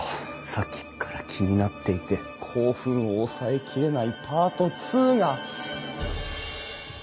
さっきっから気になっていて興奮を抑えきれないパート２が！